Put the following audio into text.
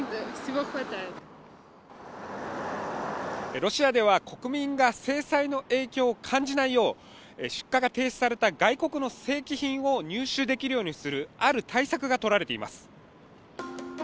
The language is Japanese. ロシアでは国民が制裁の影響を感じないよう出荷が停止された外国の正規品を入手できるようにする、ある対策が取られています。